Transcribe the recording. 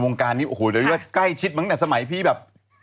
โรงการนี้โอ้โหใกล้ชิดมากต่อสมัยพี่แบบ